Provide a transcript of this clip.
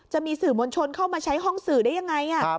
จะมีสื่อมวลชนเข้ามาใช้ห้องสื่อได้ยังไง